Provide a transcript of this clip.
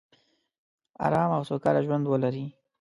ارامه او سوکاله ژوندولري